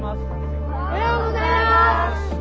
おはようございます。